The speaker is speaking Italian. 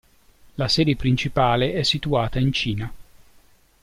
La sede principale è situata in Cina.